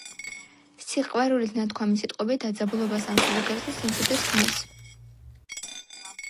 სიყვარულით ნათქვამი სიტყვები დაძაბულობას ამსუბუქებს და სიმშვიდეს ქმნის.